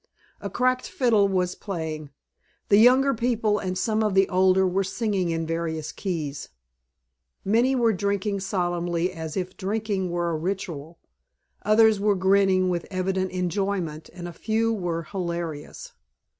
A cracked fiddle was playing. The younger people and some of the older were singing in various keys. Many were drinking solemnly as if drinking were a ritual. Others were grinning with evident enjoyment and a few were hilarious.